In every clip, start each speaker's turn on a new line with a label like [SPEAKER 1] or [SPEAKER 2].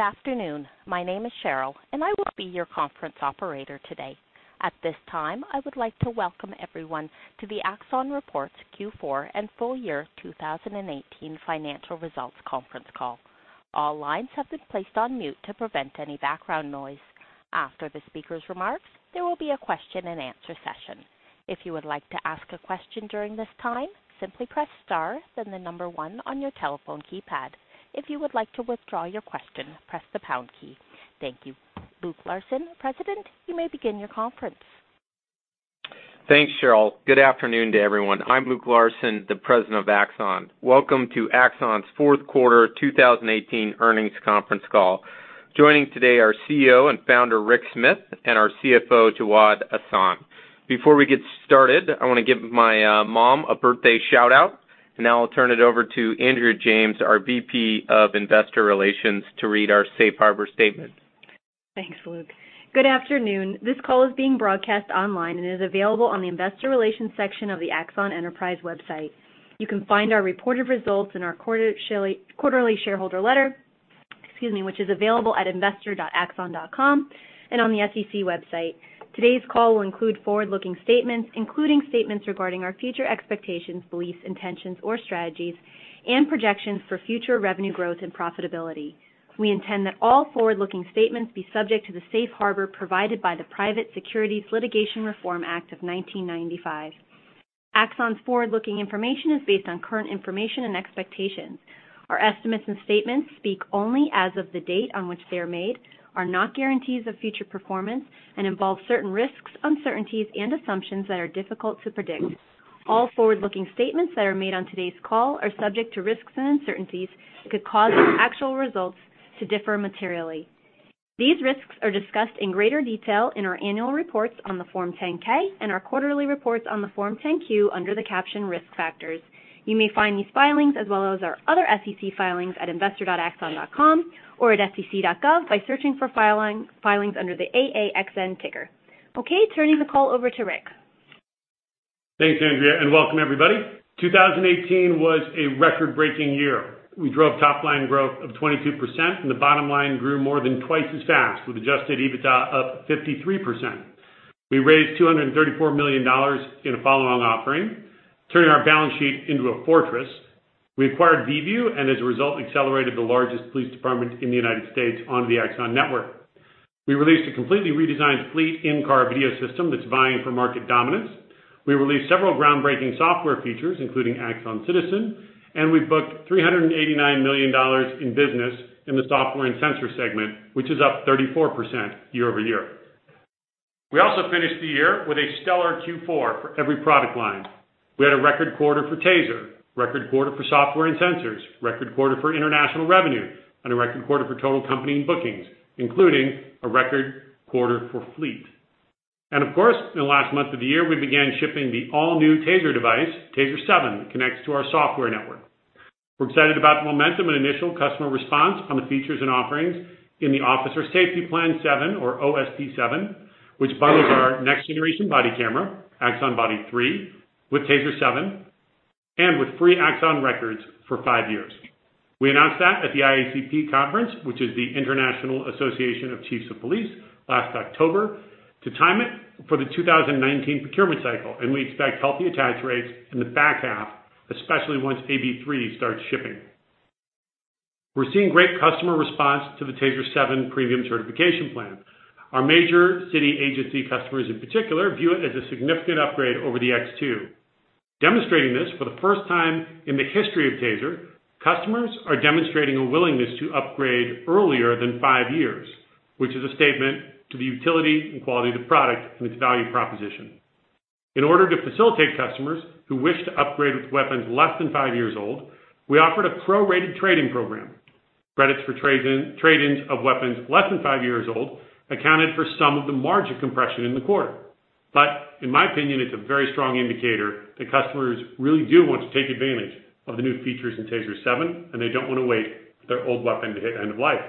[SPEAKER 1] Good afternoon. My name is Cheryl, and I will be your conference operator today. At this time, I would like to welcome everyone to the Axon Reports Q4 and Full Year 2018 Financial Results Conference Call. All lines have been placed on mute to prevent any background noise. After the speaker's remarks, there will be a question and answer session. If you would like to ask a question during this time, simply press star then the number one on your telephone keypad. If you would like to withdraw your question, press the pound key. Thank you. Luke Larson, President, you may begin your conference.
[SPEAKER 2] Thanks, Cheryl. Good afternoon to everyone. I'm Luke Larson, the President of Axon. Welcome to Axon's fourth quarter 2018 earnings conference call. Joining today are CEO and Founder, Rick Smith, and our CFO, Jawad Ahsan. Before we get started, I want to give my mom a birthday shout-out. Now I'll turn it over to Andrea James, our VP of Investor Relations, to read our safe harbor statement.
[SPEAKER 3] Thanks, Luke. Good afternoon. This call is being broadcast online and is available on the investor relations section of the Axon Enterprise website. You can find our reported results and our quarterly shareholder letter, excuse me, which is available at investor.axon.com and on the SEC website. Today's call will include forward-looking statements, including statements regarding our future expectations, beliefs, intentions or strategies, and projections for future revenue growth and profitability. We intend that all forward-looking statements be subject to the safe harbor provided by the Private Securities Litigation Reform Act of 1995. Axon's forward-looking information is based on current information and expectations. Our estimates and statements speak only as of the date on which they are made, are not guarantees of future performance, and involve certain risks, uncertainties, and assumptions that are difficult to predict. All forward-looking statements that are made on today's call are subject to risks and uncertainties that could cause actual results to differ materially. These risks are discussed in greater detail in our annual reports on the Form 10-K and our quarterly reports on the Form 10-Q under the caption Risk Factors. You may find these filings as well as our other SEC filings at investor.axon.com or at sec.gov by searching for filings under the AAXN ticker. Okay, turning the call over to Rick.
[SPEAKER 4] Thanks, Andrea, and welcome everybody. 2018 was a record-breaking year. We drove top-line growth of 22%, and the bottom line grew more than twice as fast, with adjusted EBITDA up 53%. We raised $234 million in a follow-on offering, turning our balance sheet into a fortress. We acquired VIEVU and as a result, accelerated the largest police department in the U.S. onto the Axon network. We released a completely redesigned Axon Fleet in-car video system that is vying for market dominance. We released several groundbreaking software features, including Axon Citizen, and we have booked $389 million in business in the software and sensor segment, which is up 34% year-over-year. We also finished the year with a stellar Q4 for every product line. We had a record quarter for TASER, record quarter for software and sensors, record quarter for international revenue, and a record quarter for total company bookings, including a record quarter for Axon Fleet. Of course, in the last month of the year, we began shipping the all-new TASER device, TASER 7, that connects to our software network. We are excited about the momentum and initial customer response on the features and offerings in the Officer Safety Plan 7 or OST 7, which bundles our next-generation body camera, AB3, with TASER 7, and with free Axon Records for five years. We announced that at the IACP conference, which is the International Association of Chiefs of Police, last October to time it for the 2019 procurement cycle, and we expect healthy attach rates in the back half, especially once AB3 starts shipping. We are seeing great customer response to the TASER 7 Certification Plan. Our major city agency customers in particular view it as a significant upgrade over the TASER X2. Demonstrating this for the first time in the history of TASER, customers are demonstrating a willingness to upgrade earlier than five years, which is a statement to the utility and quality of the product and its value proposition. In order to facilitate customers who wish to upgrade with weapons less than five years old, we offered a prorated trade-in program. Credits for trade-ins of weapons less than five years old accounted for some of the margin compression in the quarter. In my opinion, it is a very strong indicator that customers really do want to take advantage of the new features in TASER 7, and they do not want to wait for their old weapon to hit end of life.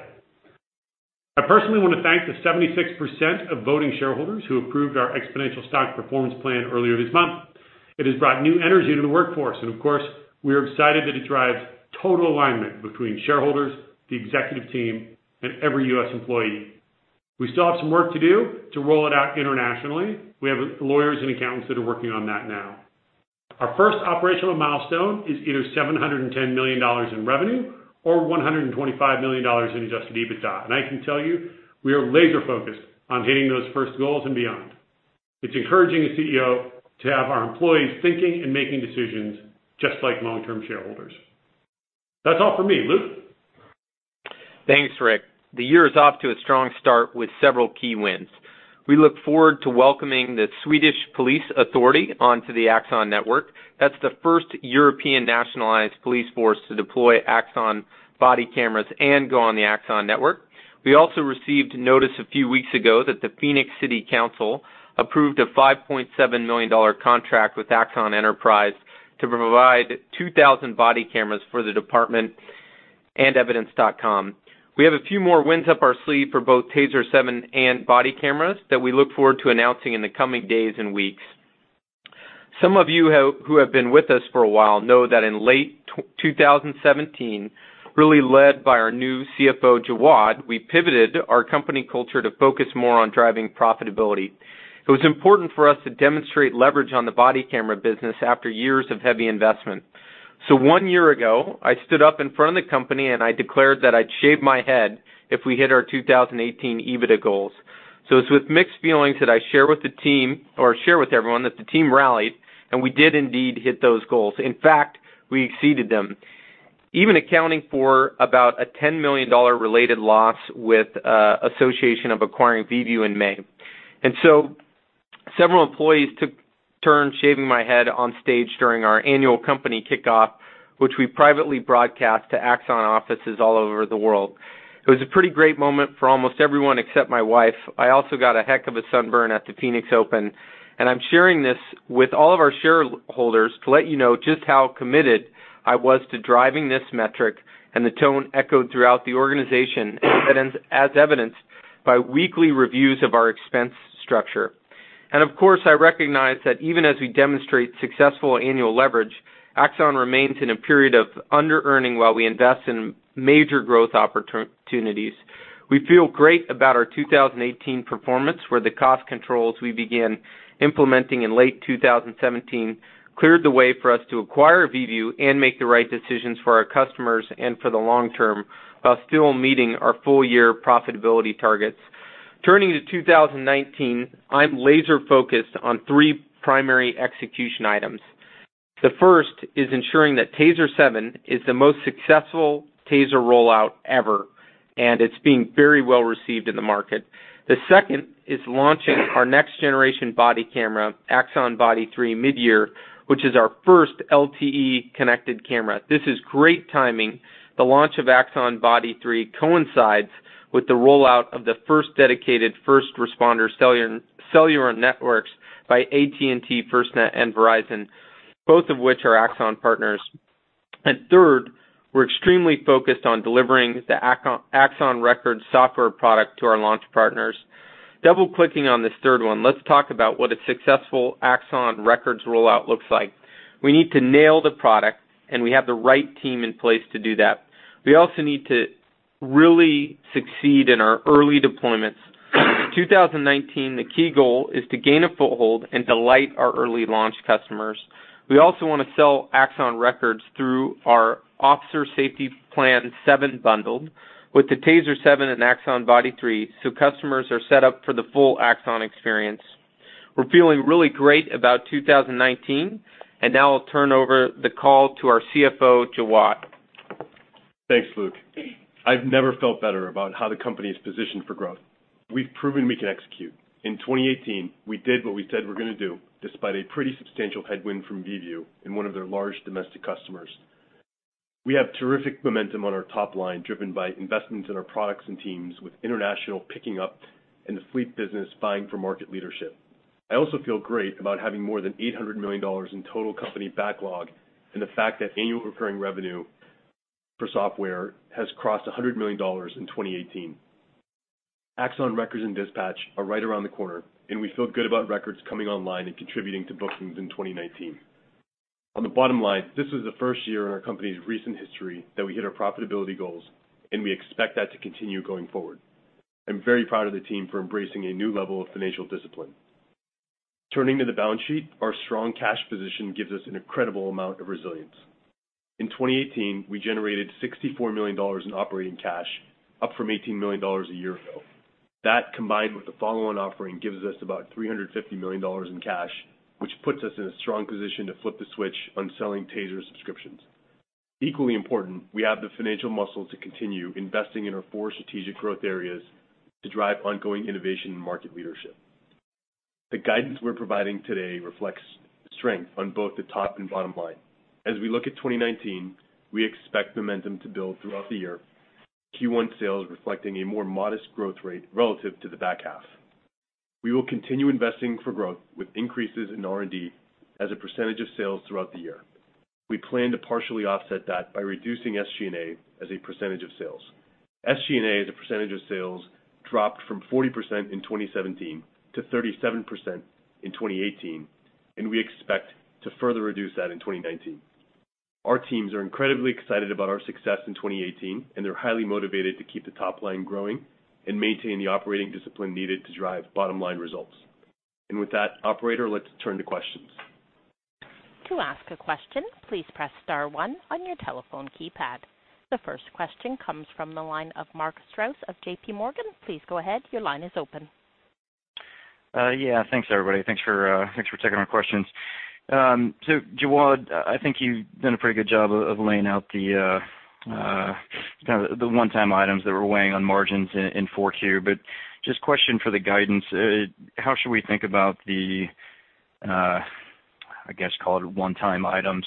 [SPEAKER 4] I personally want to thank the 76% of voting shareholders who approved our eXponential Stock Performance Plan earlier this month. It has brought new energy to the workforce, of course, we are excited that it drives total alignment between shareholders, the executive team, and every U.S. employee. We still have some work to do to roll it out internationally. We have lawyers and accountants that are working on that now. Our first operational milestone is either $710 million in revenue or $125 million in adjusted EBITDA. I can tell you, we are laser-focused on hitting those first goals and beyond. It is encouraging a CEO to have our employees thinking and making decisions just like long-term shareholders. That is all for me. Luke?
[SPEAKER 2] Thanks, Rick. The year is off to a strong start with several key wins. We look forward to welcoming the Swedish Police Authority onto the Axon network. That's the first European nationalized police force to deploy Axon Body cameras and go on the Axon network. We also received notice a few weeks ago that the Phoenix City Council approved a $5.7 million contract with Axon Enterprise to provide 2,000 body cameras for the department and evidence.com. We have a few more wins up our sleeve for both TASER 7 and body cameras that we look forward to announcing in the coming days and weeks. Some of you who have been with us for a while know that in late 2017, really led by our new CFO, Jawad, we pivoted our company culture to focus more on driving profitability. It was important for us to demonstrate leverage on the body camera business after years of heavy investment. One year ago, I stood up in front of the company, and I declared that I'd shave my head if we hit our 2018 EBITDA goals. It's with mixed feelings that I share with the team, or share with everyone, that the team rallied, we did indeed hit those goals. In fact, we exceeded them. Even accounting for about a $10 million related loss with association of acquiring VIEVU in May. Several employees took turns shaving my head on stage during our annual company kickoff, which we privately broadcast to Axon offices all over the world. It was a pretty great moment for almost everyone except my wife. I also got a heck of a sunburn at the Phoenix Open, I'm sharing this with all of our shareholders to let you know just how committed I was to driving this metric, the tone echoed throughout the organization, as evidenced by weekly reviews of our expense structure. Of course, I recognize that even as we demonstrate successful annual leverage, Axon remains in a period of underearning while we invest in major growth opportunities. We feel great about our 2018 performance, where the cost controls we began implementing in late 2017 cleared the way for us to acquire VIEVU and make the right decisions for our customers and for the long term, while still meeting our full-year profitability targets. Turning to 2019, I'm laser-focused on three primary execution items. The first is ensuring that TASER 7 is the most successful TASER rollout ever, it's being very well received in the market. The second is launching our next-generation body camera, Axon Body 3, mid-year, which is our first LTE-connected camera. This is great timing. The launch of Axon Body 3 coincides with the rollout of the first dedicated first responder cellular networks by AT&T FirstNet and Verizon, both of which are Axon partners. Third, we're extremely focused on delivering the Axon Records software product to our launch partners. Double-clicking on this third one, let's talk about what a successful Axon Records rollout looks like. We need to nail the product, we have the right team in place to do that. We also need to really succeed in our early deployments. 2019, the key goal is to gain a foothold and delight our early launch customers. We also want to sell Axon Records through our Officer Safety Plan 7 bundle with the TASER 7 and Axon Body 3, customers are set up for the full Axon experience. We're feeling really great about 2019. Now I'll turn over the call to our CFO, Jawad.
[SPEAKER 5] Thanks, Luke. I've never felt better about how the company is positioned for growth. We've proven we can execute. In 2018, we did what we said we were going to do, despite a pretty substantial headwind from VIEVU and one of their large domestic customers. We have terrific momentum on our top line, driven by investments in our products and teams, with international picking up and the fleet business vying for market leadership. I also feel great about having more than $800 million in total company backlog and the fact that annual recurring revenue for software has crossed $100 million in 2018. Axon Records and Dispatch are right around the corner, we feel good about Records coming online and contributing to bookings in 2019. On the bottom line, this was the first year in our company's recent history that we hit our profitability goals, we expect that to continue going forward. I'm very proud of the team for embracing a new level of financial discipline. Turning to the balance sheet, our strong cash position gives us an incredible amount of resilience. In 2018, we generated $64 million in operating cash, up from $18 million a year ago. That, combined with the follow-on offering, gives us about $350 million in cash, which puts us in a strong position to flip the switch on selling TASER subscriptions. Equally important, we have the financial muscle to continue investing in our four strategic growth areas to drive ongoing innovation and market leadership. The guidance we're providing today reflects strength on both the top and bottom line. As we look at 2019, we expect momentum to build throughout the year, Q1 sales reflecting a more modest growth rate relative to the back half. We will continue investing for growth with increases in R&D as a percentage of sales throughout the year. We plan to partially offset that by reducing SG&A as a percentage of sales. SG&A as a percentage of sales dropped from 40% in 2017 to 37% in 2018, we expect to further reduce that in 2019. Our teams are incredibly excited about our success in 2018, they're highly motivated to keep the top line growing and maintain the operating discipline needed to drive bottom-line results. With that, operator, let's turn to questions.
[SPEAKER 1] To ask a question, please press star one on your telephone keypad. The first question comes from the line of Mark Strouse of JPMorgan. Please go ahead. Your line is open.
[SPEAKER 6] Yeah. Thanks, everybody. Thanks for taking our questions. Jawad, I think you've done a pretty good job of laying out the one-time items that were weighing on margins in 4Q. Just a question for the guidance, how should we think about the, I guess, call it one-time items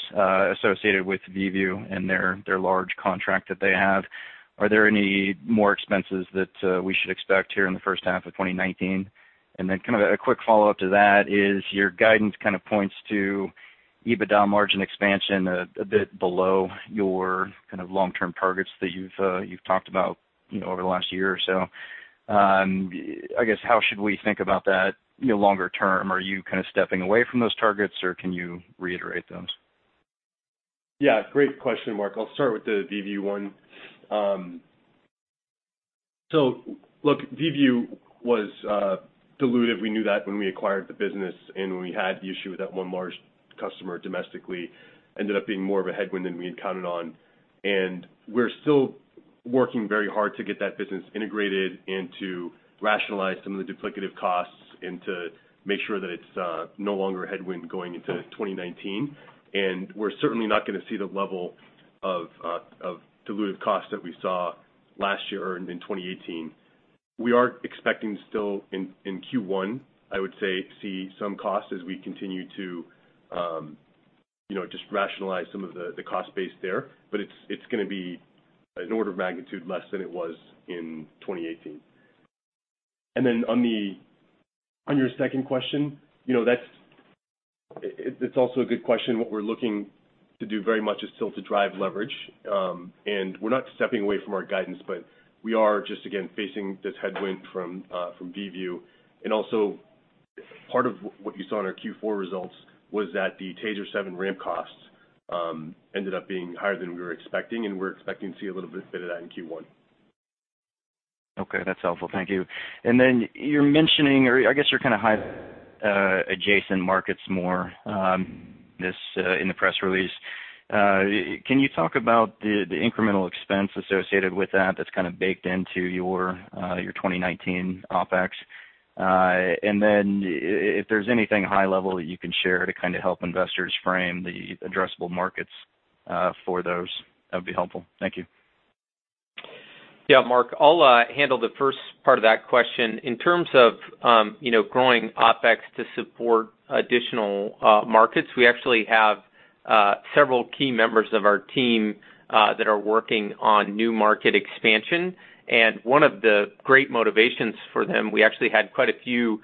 [SPEAKER 6] associated with VIEVU and their large contract that they have. Are there any more expenses that we should expect here in the first half of 2019? Kind of a quick follow-up to that is your guidance kind of points to EBITDA margin expansion a bit below your kind of long-term targets that you've talked about over the last year or so. I guess, how should we think about that longer term? Are you kind of stepping away from those targets, or can you reiterate those?
[SPEAKER 5] Yeah. Great question, Mark. I'll start with the VIEVU one. Look, VIEVU view was dilutive. We knew that when we acquired the business, and when we had the issue with that one large customer domestically, ended up being more of a headwind than we had counted on. We're still working very hard to get that business integrated and to rationalize some of the duplicative costs and to make sure that it's no longer a headwind going into 2019. We're certainly not going to see the level of dilutive cost that we saw last year or in 2018. We are expecting still in Q1, I would say, see some cost as we continue to just rationalize some of the cost base there. It's going to be an order of magnitude less than it was in 2018. On your second question, it's also a good question. What we're looking to do very much is still to drive leverage. We're not stepping away from our guidance, we are just, again, facing this headwind from VIEVU view. Also, part of what you saw in our Q4 results was that the TASER 7 ramp costs ended up being higher than we were expecting, and we're expecting to see a little bit of that in Q1.
[SPEAKER 6] Okay, that's helpful. Thank you. You are mentioning, or I guess you are kind of adjacent markets more in the press release. Can you talk about the incremental expense associated with that is kind of baked into your 2019 OpEx? If there is anything high level that you can share to kind of help investors frame the addressable markets for those, that would be helpful. Thank you.
[SPEAKER 2] Yeah, Mark, I will handle the first part of that question. In terms of growing OpEx to support additional markets, we actually have several key members of our team that are working on new market expansion. One of the great motivations for them, we actually had quite a few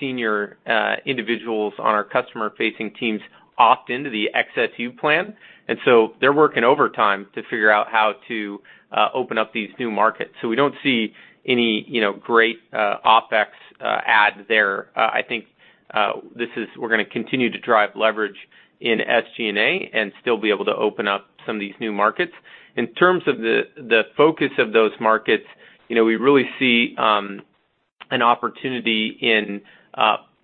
[SPEAKER 2] senior individuals on our customer-facing teams opt into the XSU plan, they are working overtime to figure out how to open up these new markets. We do not see any great OpEx add there. I think we are going to continue to drive leverage in SG&A and still be able to open up some of these new markets. In terms of the focus of those markets, we really see an opportunity in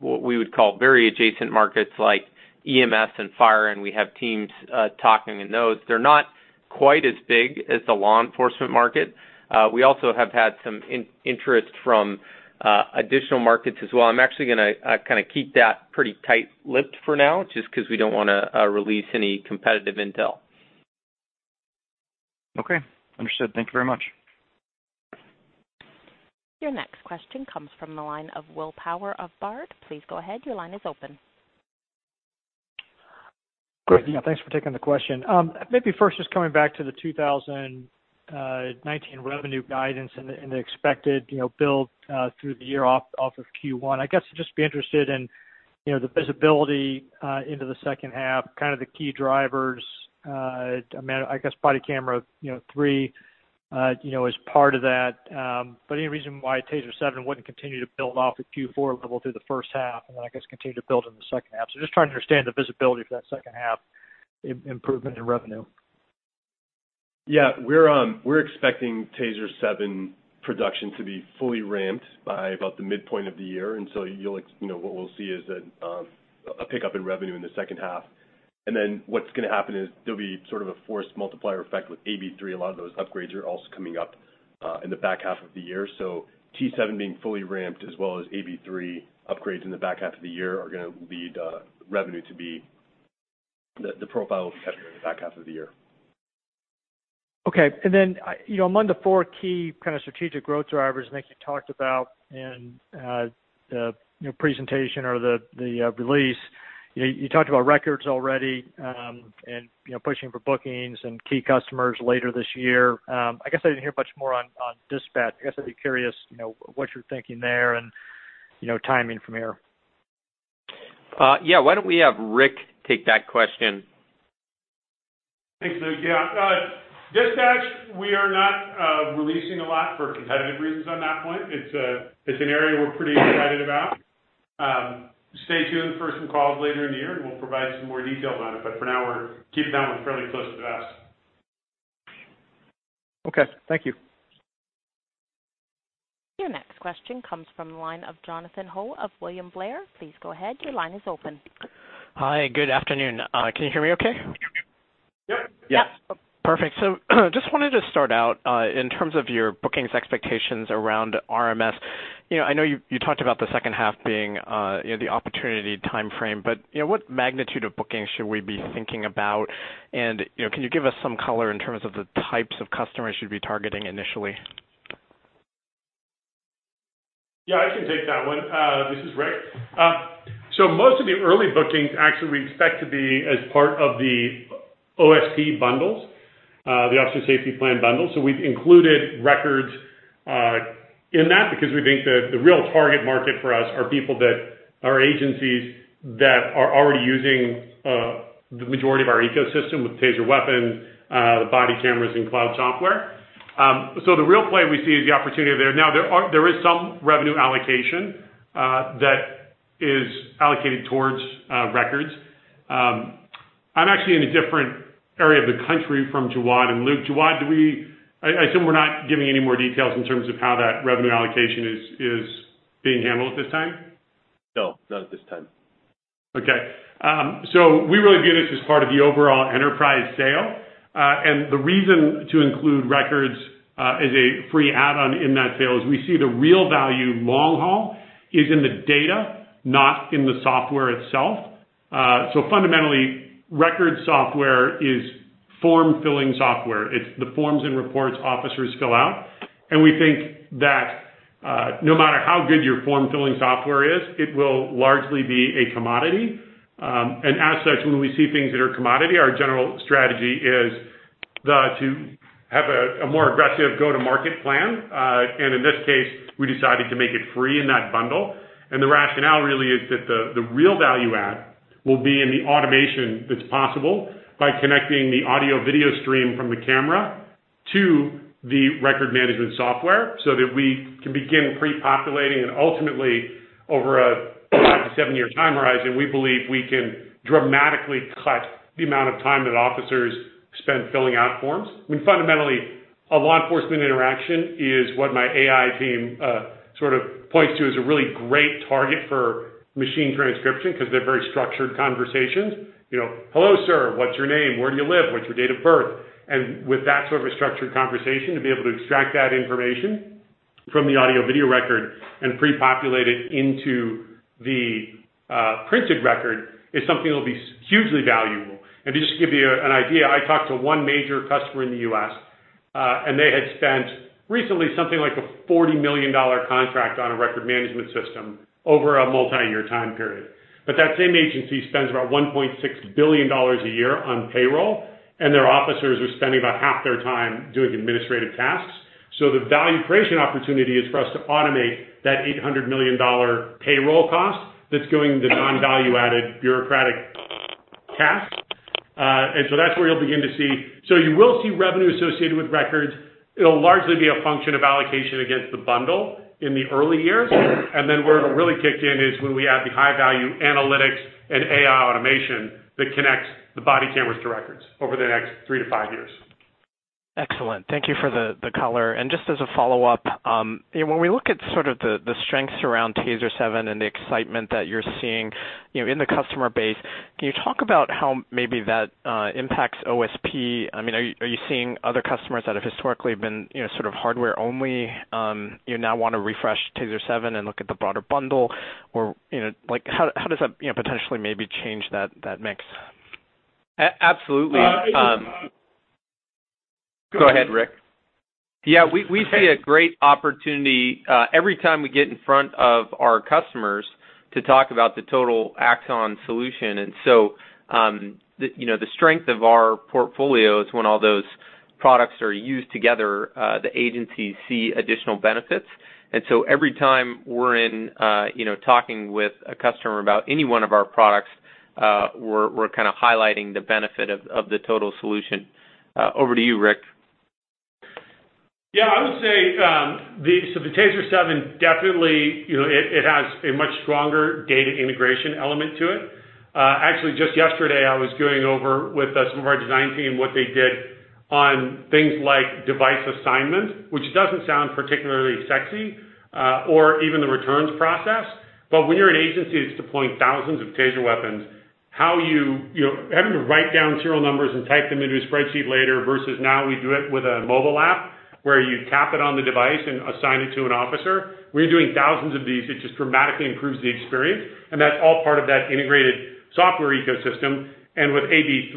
[SPEAKER 2] what we would call very adjacent markets like EMS and fire, we have teams talking in those. They are not quite as big as the law enforcement market. We also have had some interest from additional markets as well. I am actually going to kind of keep that pretty tight-lipped for now, just because we do not want to release any competitive intel.
[SPEAKER 6] Okay. Understood. Thank you very much.
[SPEAKER 1] Your next question comes from the line of William Power of Baird. Please go ahead. Your line is open.
[SPEAKER 7] Great. Yeah, thanks for taking the question. Maybe first, just coming back to the 2019 revenue guidance and the expected build through the year off of Q1. I guess, just be interested in the visibility into the second half, kind of the key drivers, I guess Axon Body 3 as part of that. Any reason why TASER 7 wouldn't continue to build off a Q4 level through the first half and then I guess, continue to build in the second half? Just trying to understand the visibility for that second half improvement in revenue.
[SPEAKER 5] Yeah. We're expecting TASER 7 production to be fully ramped by about the midpoint of the year. What we'll see is a pickup in revenue in the second half. What's going to happen is there'll be sort of a force multiplier effect with AB3. A lot of those upgrades are also coming up in the back half of the year. T7 being fully ramped as well as AB3 upgrades in the back half of the year, the profile will be heavier in the back half of the year.
[SPEAKER 7] Okay. Among the four key kind of strategic growth drivers, I think you talked about in the presentation or the release, you talked about Axon Records already, and pushing for bookings and key customers later this year. I guess I didn't hear much more on Axon Dispatch. I guess I'd be curious what you're thinking there and timing from here.
[SPEAKER 2] Yeah. Why don't we have Rick take that question?
[SPEAKER 4] Thanks, Luke. Yeah. Axon Dispatch, we are not releasing a lot for competitive reasons on that point. It's an area we're pretty excited about. Stay tuned for some calls later in the year. We'll provide some more details on it. For now, we're keeping that one fairly close to the vest.
[SPEAKER 7] Okay. Thank you.
[SPEAKER 1] Your next question comes from the line of Jonathan Ho of William Blair. Please go ahead. Your line is open.
[SPEAKER 8] Hi. Good afternoon. Can you hear me okay?
[SPEAKER 5] Yep.
[SPEAKER 2] Yes.
[SPEAKER 8] Perfect. Just wanted to start out, in terms of your bookings expectations around RMS. I know you talked about the second half being the opportunity timeframe, but what magnitude of bookings should we be thinking about? Can you give us some color in terms of the types of customers you'd be targeting initially?
[SPEAKER 4] Yeah, I can take that one. This is Rick. Most of the early bookings actually we expect to be as part of the OSP bundles. The Officer Safety Plan bundle. We've included Records in that because we think the real target market for us are agencies that are already using the majority of our ecosystem with TASER weapons, the body cameras, and cloud software. The real play we see is the opportunity there. There is some revenue allocation that is allocated towards Records. I'm actually in a different area of the country from Jawad and Luke. Jawad, I assume we're not giving any more details in terms of how that revenue allocation is being handled at this time?
[SPEAKER 5] No, not at this time.
[SPEAKER 4] We really view this as part of the overall enterprise sale. The reason to include Records as a free add-on in that sale is we see the real value long haul is in the data, not in the software itself. Fundamentally, Records software is form-filling software. It's the forms and reports officers fill out. We think that, no matter how good your form-filling software is, it will largely be a commodity. As such, when we see things that are commodity, our general strategy is to have a more aggressive go-to-market plan. In this case, we decided to make it free in that bundle. The rationale really is that the real value add will be in the automation that's possible by connecting the audio/video stream from the camera to the record management software so that we can begin pre-populating and ultimately over a 5 to 7-year time horizon, we believe we can dramatically cut the amount of time that officers spend filling out forms. Fundamentally, a law enforcement interaction is what my AI team sort of points to as a really great target for machine transcription because they're very structured conversations. You know, "Hello, sir. What's your name? Where do you live? What's your date of birth?" With that sort of structured conversation, to be able to extract that information from the audio/video record and pre-populate it into the printed record is something that'll be hugely valuable. To just give you an idea, I talked to one major customer in the U.S., and they had spent recently something like a $40 million contract on a multi-year record management system time period. That same agency spends about $1.6 billion a year on payroll, and their officers are spending about half their time doing administrative tasks. The value creation opportunity is for us to automate that $800 million payroll cost that's going to non-value-added bureaucratic tasks. That's where you'll begin to see. You will see revenue associated with Records. It'll largely be a function of allocation against the bundle in the early years. Where it'll really kick in is when we add the high-value analytics and AI automation that connects the body cameras to Records over the next 3 to 5 years.
[SPEAKER 8] Excellent. Thank you for the color. Just as a follow-up, when we look at sort of the strengths around TASER 7 and the excitement that you're seeing in the customer base, can you talk about how maybe that impacts OSP? Are you seeing other customers that have historically been sort of hardware-only, now want to refresh TASER 7 and look at the broader bundle, or how does that potentially maybe change that mix?
[SPEAKER 2] Absolutely.
[SPEAKER 4] Go ahead, Rick.
[SPEAKER 2] Yeah. We see a great opportunity every time we get in front of our customers to talk about the total Axon solution. The strength of our portfolio is when all those products are used together, the agencies see additional benefits. Every time we're in, talking with a customer about any one of our products, we're kind of highlighting the benefit of the total solution. Over to you, Rick.
[SPEAKER 4] Yeah, I would say the TASER 7 definitely has a much stronger data integration element to it. Actually, just yesterday, I was going over with some of our design team what they did on things like device assignment, which doesn't sound particularly sexy, or even the returns process. When you're an agency that's deploying thousands of TASER weapons, having to write down serial numbers and type them into a spreadsheet later versus now we do it with a mobile app where you tap it on the device and assign it to an officer, we're doing thousands of these. It just dramatically improves the experience, and that's all part of that integrated software ecosystem. With AB3,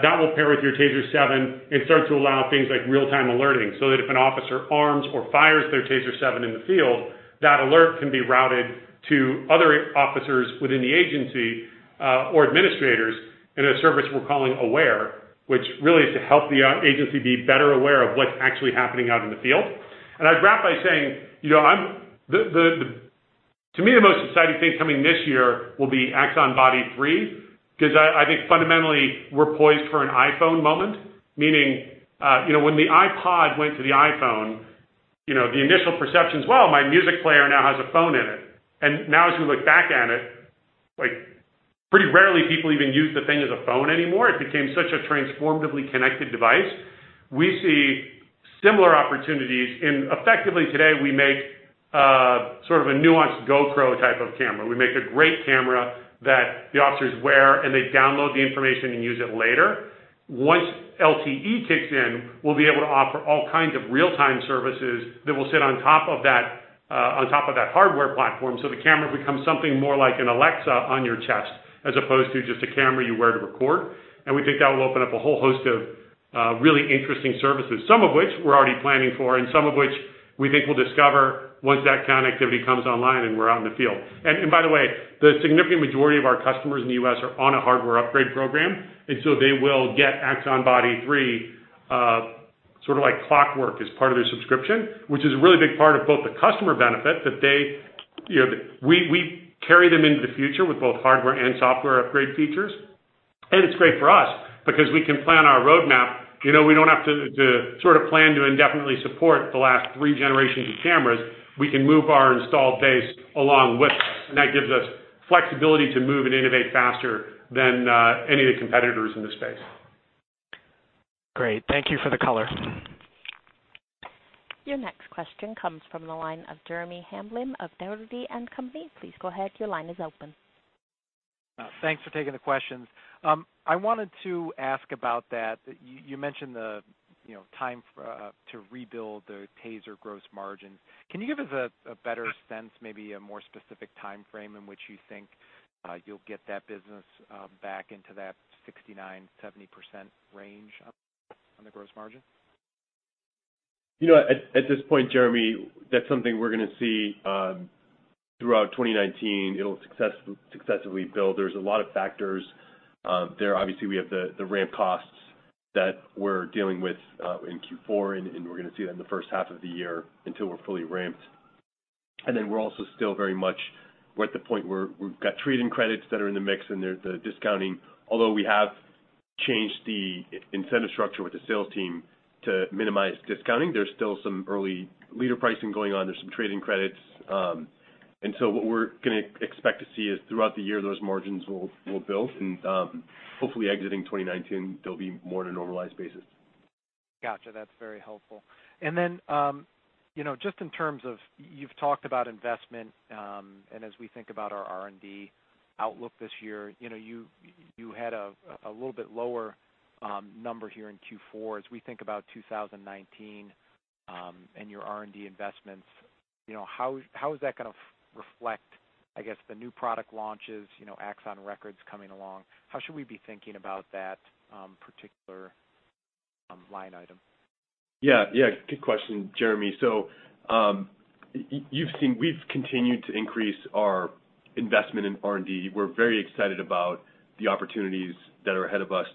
[SPEAKER 4] that will pair with your TASER 7 and start to allow things like real-time alerting, so that if an officer arms or fires their TASER 7 in the field, that alert can be routed to other officers within the agency, or administrators in a service we're calling Axon Aware, which really is to help the agency be better aware of what's actually happening out in the field. I'd wrap by saying, to me, the most exciting thing coming this year will be Axon Body 3, because I think fundamentally, we're poised for an iPhone moment. Meaning, when the iPod went to the iPhone, the initial perception is, well, my music player now has a phone in it. Now as we look back at it, pretty rarely people even use the thing as a phone anymore. It became such a transformatively connected device. We see similar opportunities in effectively today, we make sort of a nuanced GoPro type of camera. We make a great camera that the officers wear, and they download the information and use it later. Once LTE kicks in, we'll be able to offer all kinds of real-time services that will sit on top of that hardware platform, so the camera becomes something more like an Alexa on your chest as opposed to just a camera you wear to record. We think that will open up a whole host of really interesting services, some of which we're already planning for and some of which we think we'll discover once that connectivity comes online, and we're out in the field. By the way, the significant majority of our customers in the U.S. are on a hardware upgrade program, so they will get Axon Body 3. Sort of like clockwork as part of their subscription, which is a really big part of both the customer benefit that we carry them into the future with both hardware and software upgrade features. It's great for us because we can plan our roadmap. We don't have to plan to indefinitely support the last three generations of cameras. We can move our installed base along with us, and that gives us flexibility to move and innovate faster than any of the competitors in this space.
[SPEAKER 8] Great. Thank you for the color.
[SPEAKER 1] Your next question comes from the line of Jeremy Hamblin of Dougherty & Company. Please go ahead. Your line is open.
[SPEAKER 9] Thanks for taking the questions. I wanted to ask about that. You mentioned the time to rebuild the TASER gross margin. Can you give us a better sense, maybe a more specific timeframe in which you think you'll get that business back into that 69%, 70% range on the gross margin?
[SPEAKER 5] At this point, Jeremy, that's something we're going to see throughout 2019. It'll successively build. There's a lot of factors. Obviously, we have the ramp costs that we're dealing with in Q4, and we're going to see that in the first half of the year until we're fully ramped. We're also still very much at the point where we've got trade-in credits that are in the mix, and there's the discounting. Although we have changed the incentive structure with the sales team to minimize discounting, there's still some early leader pricing going on. There's some trade-in credits. What we're going to expect to see is throughout the year, those margins will build and hopefully exiting 2019, they'll be more at a normalized basis.
[SPEAKER 9] Got you. That's very helpful. Just in terms of, you've talked about investment, and as we think about our R&D outlook this year. You had a little bit lower number here in Q4. As we think about 2019, and your R&D investments, how is that going to reflect, I guess, the new product launches, Axon Records coming along? How should we be thinking about that particular line item?
[SPEAKER 5] Good question, Jeremy. We've continued to increase our investment in R&D. We're very excited about the opportunities that are ahead of us,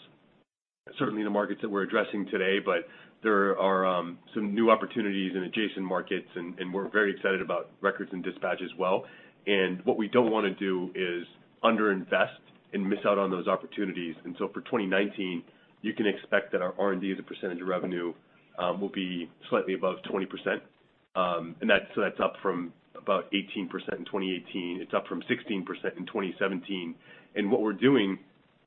[SPEAKER 5] certainly in the markets that we're addressing today, but there are some new opportunities in adjacent markets, and we're very excited about Axon Records and Axon Dispatch as well. What we don't want to do is under-invest and miss out on those opportunities. For 2019, you can expect that our R&D as a percentage of revenue will be slightly above 20%. That's up from about 18% in 2018. It's up from 16% in 2017. What we're doing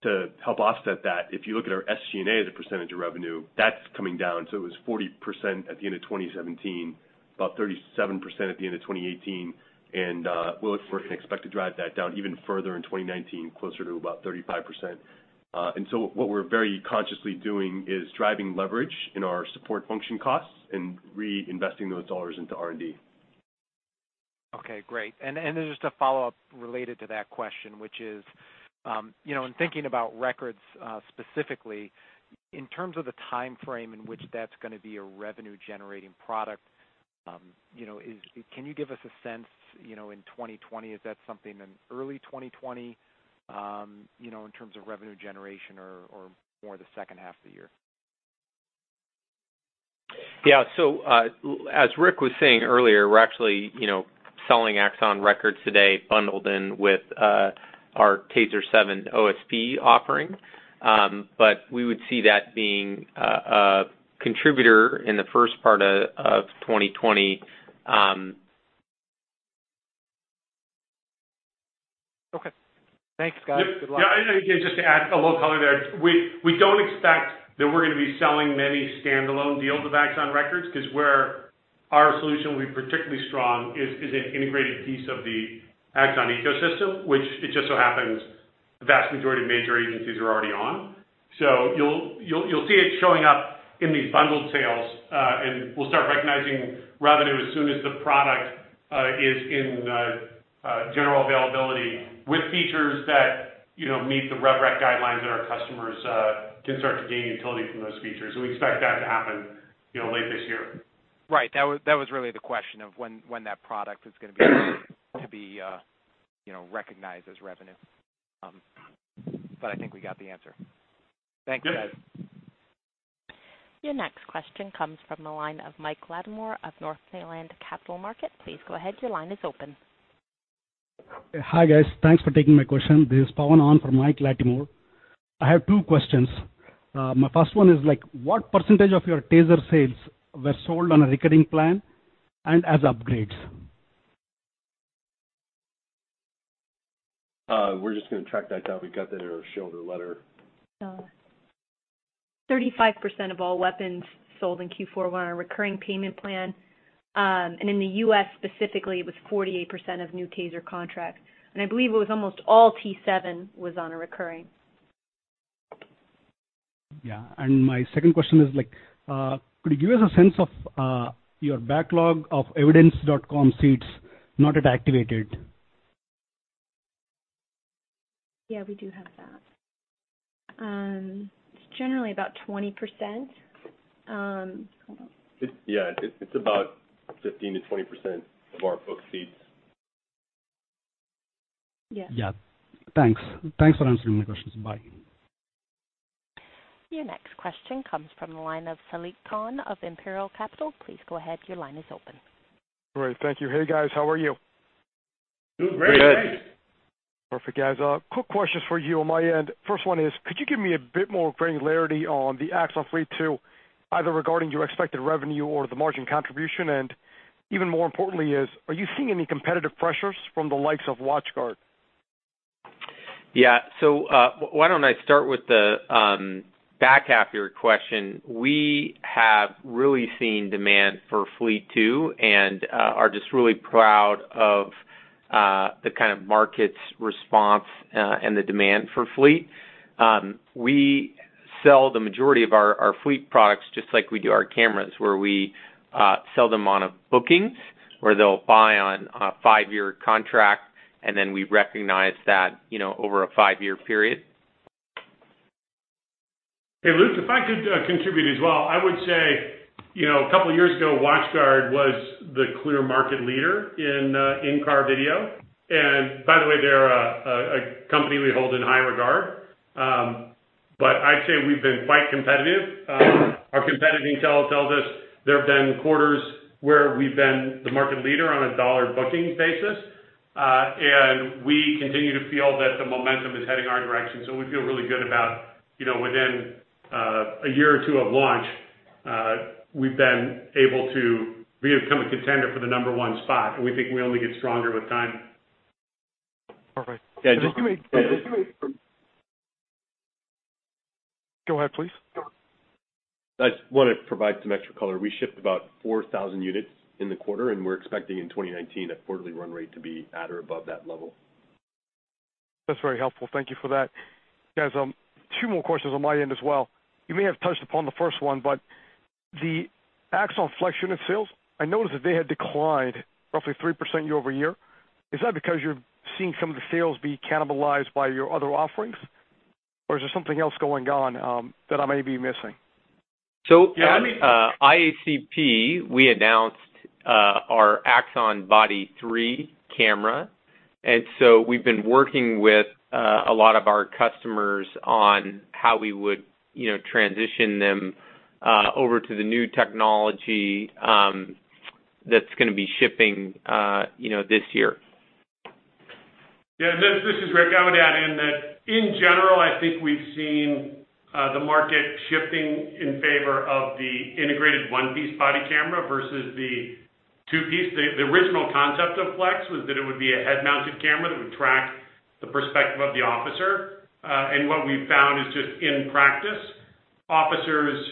[SPEAKER 5] to help offset that, if you look at our SG&A as a percentage of revenue, that's coming down. It was 40% at the end of 2017, about 37% at the end of 2018. We're going to expect to drive that down even further in 2019, closer to about 35%. What we're very consciously doing is driving leverage in our support function costs and reinvesting those dollars into R&D.
[SPEAKER 9] Okay, great. Just a follow-up related to that question, which is, in thinking about Axon Records specifically, in terms of the timeframe in which that's going to be a revenue-generating product, can you give us a sense? In 2020, is that something in early 2020, in terms of revenue generation or more the second half of the year?
[SPEAKER 2] Yeah. As Rick was saying earlier, we're actually selling Axon Records today bundled in with our TASER 7 Officer Safety Plan offering. We would see that being a contributor in the first part of 2020.
[SPEAKER 9] Okay. Thanks, guys. Good luck.
[SPEAKER 4] Just to add a little color there. We don't expect that we're going to be selling many standalone deals of Axon Records because where our solution will be particularly strong is an integrated piece of the Axon ecosystem, which it just so happens the vast majority of major agencies are already on. You'll see it showing up in these bundled sales, and we'll start recognizing revenue as soon as the product is in general availability with features that meet the rev rec guidelines that our customers can start to gain utility from those features. We expect that to happen late this year.
[SPEAKER 9] Right. That was really the question of when that product is going to be recognized as revenue. I think we got the answer. Thanks, guys.
[SPEAKER 1] Your next question comes from the line of Michael Latimore of Northland Capital Markets. Please go ahead. Your line is open.
[SPEAKER 10] Hi, guys. Thanks for taking my question. This is Pawan Aun for Michael Latimore. I have two questions. My first one is what percentage of your TASER sales were sold on a recurring plan and as upgrades?
[SPEAKER 5] We're just going to track that down. We got that in our shareholder letter.
[SPEAKER 3] 35% of all weapons sold in Q4 were on a recurring payment plan. In the U.S. specifically, it was 48% of new TASER contracts. I believe it was almost all T7 was on a recurring.
[SPEAKER 10] Yeah. My second question is could you give us a sense of your backlog of evidence.com seats not yet activated?
[SPEAKER 3] Yeah, we do have that. It's generally about 20%. Hold on.
[SPEAKER 5] Yeah. It's about 15%-20% of our book seats
[SPEAKER 10] Yeah. Thanks for answering my questions. Bye.
[SPEAKER 1] Your next question comes from the line of Saliq Khan of Imperial Capital. Please go ahead, your line is open.
[SPEAKER 11] Great, thank you. Hey, guys. How are you?
[SPEAKER 4] Doing great.
[SPEAKER 2] Great.
[SPEAKER 11] Perfect, guys. Quick questions for you on my end. First one is, could you give me a bit more granularity on the Axon Fleet 2, either regarding your expected revenue or the margin contribution? Even more importantly is, are you seeing any competitive pressures from the likes of WatchGuard?
[SPEAKER 2] Yeah. Why don't I start with the back half of your question. We have really seen demand for Fleet 2, and are just really proud of the kind of market's response, and the demand for Fleet. We sell the majority of our fleet products just like we do our cameras, where we sell them on a bookings, where they'll buy on a five-year contract, and then we recognize that over a five-year period.
[SPEAKER 4] Hey, Luke, if I could contribute as well. I would say, a couple of years ago, WatchGuard was the clear market leader in in-car video. By the way, they're a company we hold in high regard. I'd say we've been quite competitive. Our competitive intel tells us there have been quarters where we've been the market leader on a dollar booking basis. We continue to feel that the momentum is heading our direction. We feel really good about within a year or two of launch, we've been able to become a contender for the number one spot, and we think we only get stronger with time.
[SPEAKER 11] Perfect.
[SPEAKER 2] Yeah.
[SPEAKER 11] Go ahead, please.
[SPEAKER 2] I just want to provide some extra color. We shipped about 4,000 units in the quarter. We're expecting in 2019 a quarterly run rate to be at or above that level.
[SPEAKER 11] That's very helpful. Thank you for that. Guys, two more questions on my end as well. You may have touched upon the first one. The Axon Flex unit sales, I noticed that they had declined roughly 3% year-over-year. Is that because you're seeing some of the sales be cannibalized by your other offerings? Or is there something else going on that I may be missing?
[SPEAKER 2] At IACP, we announced our Axon Body 3 camera, and so we've been working with a lot of our customers on how we would transition them over to the new technology that's going to be shipping this year.
[SPEAKER 4] Yeah. This is Rick. I would add in that, in general, I think we've seen the market shifting in favor of the integrated one-piece body camera versus the two-piece. The original concept of Flex was that it would be a head-mounted camera that would track the perspective of the officer. What we've found is just in practice, officers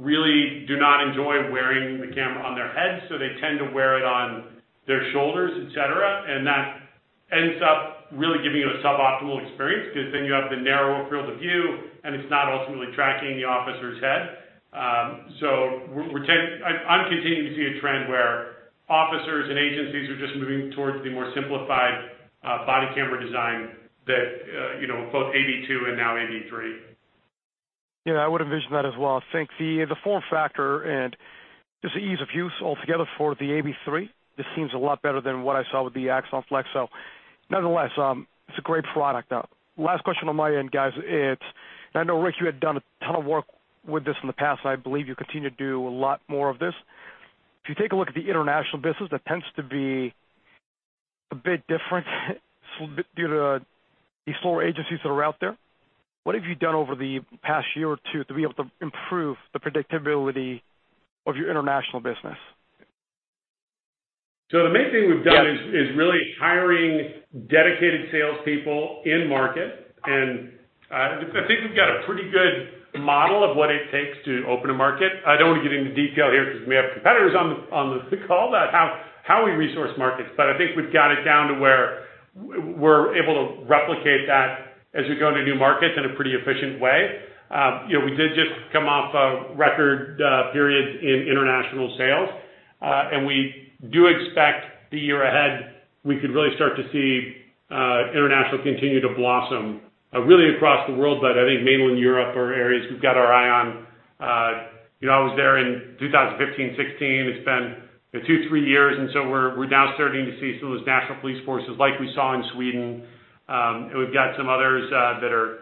[SPEAKER 4] really do not enjoy wearing the camera on their heads, so they tend to wear it on their shoulders, et cetera, and that ends up really giving you a sub-optimal experience because then you have the narrower field of view, and it's not ultimately tracking the officer's head. I'm continuing to see a trend where officers and agencies are just moving towards the more simplified body camera design that both AB 2 and now AB 3.
[SPEAKER 11] Yeah, I would envision that as well. I think the form factor and just the ease of use altogether for the AB 3, just seems a lot better than what I saw with the Axon Flex. Nonetheless, it's a great product. Last question on my end, guys. I know, Rick, you had done a ton of work with this in the past, and I believe you continue to do a lot more of this. If you take a look at the international business, that tends to be a bit different due to the slower agencies that are out there. What have you done over the past year or two to be able to improve the predictability of your international business?
[SPEAKER 4] The main thing we've done is really hiring dedicated salespeople in-market. I think we've got a pretty good model of what it takes to open a market. I don't want to get into detail here because we may have competitors on the call about how we resource markets. I think we've got it down to where we're able to replicate that as we go into new markets in a pretty efficient way. We did just come off a record period in international sales. We do expect the year ahead, we could really start to see international continue to blossom, really across the world, but I think mainland Europe are areas we've got our eye on. I was there in 2015, 2016. It's been two, three years, and we're now starting to see some of those national police forces like we saw in Sweden. We've got some others that are